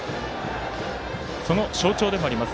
その象徴でもあります